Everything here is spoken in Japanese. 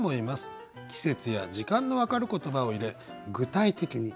季節や時間のわかる言葉を入れ具体的に。